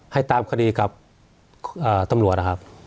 ให้ตามคดีกับตำรวจนะครับ